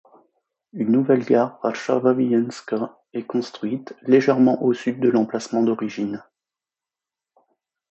Une nouvelle gare Warszawa Wileńska est construite, légèrement au sud de l'emplacement d'origine.